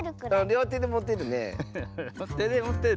りょうてでもてるね。